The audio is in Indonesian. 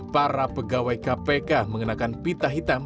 para pegawai kpk mengenakan pita hitam